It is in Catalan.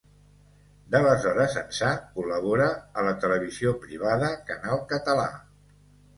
D'aleshores ençà, col·labora a la televisió privada Canal Català.